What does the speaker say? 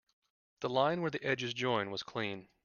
The line where the edges join was clean.